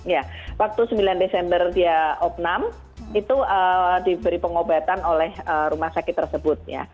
ya waktu sembilan desember dia opnam itu diberi pengobatan oleh rumah sakit tersebut